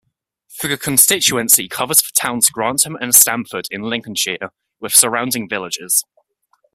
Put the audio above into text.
The constituency covers the towns Grantham and Stamford in Lincolnshire with surrounding villages.